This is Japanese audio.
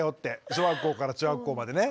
小学校から中学校までね。